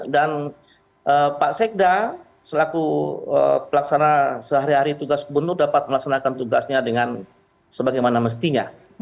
dan pak sekda selaku pelaksana sehari hari tugas kebunuh dapat melaksanakan tugasnya dengan sebagaimana mestinya